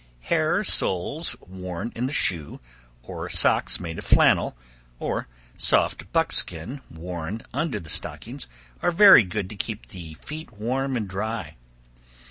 Hair soles worn in the shoe, or socks made of flannel, or soft buckskin worn under the stockings, are very good to keep the feet warm and dry.